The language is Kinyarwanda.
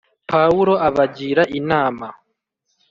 Pawulo abagira inama